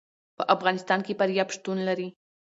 په افغانستان کې فاریاب شتون لري.